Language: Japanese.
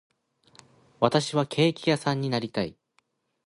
私はケーキ屋さんになりたい